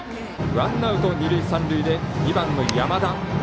ワンアウト、二塁三塁で２番の山田。